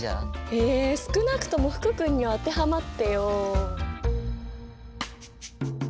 え少なくとも福君には当てはまってよ。